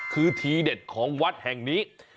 คือทีเด็ดของวัดแห่งนี้